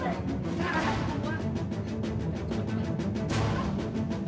tuh tuh tuh